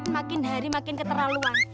makin hari makin keterlaluan